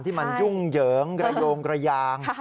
ที่มันยุ่งเหยิงระโยงกระยาง